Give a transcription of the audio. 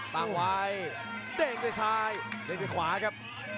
ตั้งไว้เด้งด้วยซ้ายเด้งด้วยขวาครับ